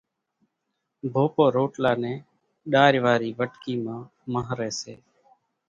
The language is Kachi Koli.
ڀوپو روٽلا نين ڏار واري وٽڪي مان مانھري سي